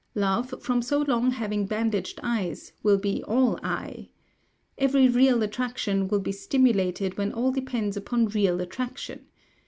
Love, from so long having bandaged eyes, will be all eye. Every real attraction will be stimulated when all depends upon real attraction.